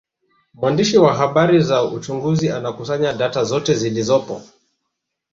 Mwandishi wa habari za uchunguzi anakusanya data zote zilizopo